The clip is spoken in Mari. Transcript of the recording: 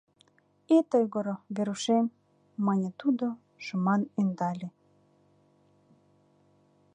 — Ит ойгыро, Верушем, — мане тудо, шыман ӧндале.